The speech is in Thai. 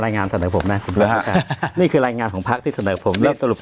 รายงานธนะผมน่ะนี่คือรายงานของพรรคที่ธนะผม